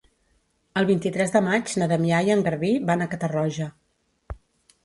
El vint-i-tres de maig na Damià i en Garbí van a Catarroja.